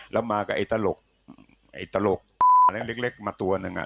แล้วมากับไอ้ตลกไอ้ตลกอันเล็กมาตัวหนึ่ง